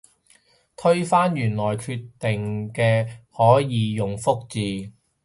推翻原來決定嘅可以用覆字